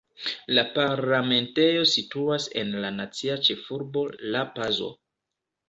La parlamentejo situas en la nacia ĉefurbo La-Pazo.